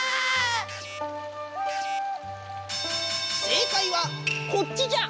正解はこっちじゃ。